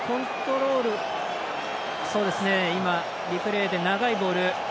リプレーで長いボール。